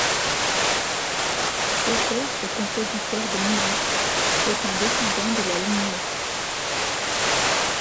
Auteur et Compositeur de musique est un descendant de la lignée.